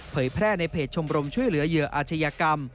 แพร่ในเพจชมรมช่วยเหลือเหยื่ออาชญากรรม